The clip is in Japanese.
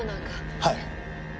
はい。